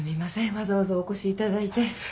わざわざお越しいただいて。